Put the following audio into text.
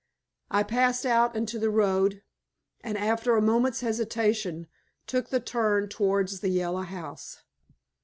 I passed out into the road, and after a moment's hesitation took the turn towards the Yellow House.